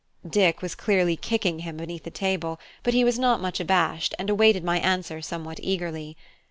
Dick was clearly kicking him underneath the table; but he was not much abashed, and awaited my answer somewhat eagerly.